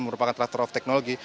merupakan transfer of teknologi